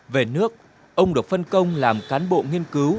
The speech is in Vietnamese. về nước ông được phân công làm cán bộ nghiên cứu